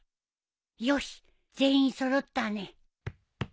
よし全員揃ったね。